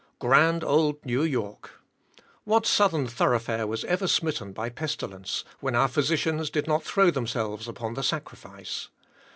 Grand Old New York! What southern thoroughfare was ever smitten by pestilence, when our physicians did not throw themselves upon the sacrifice!